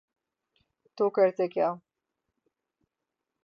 تو کرتے کیا۔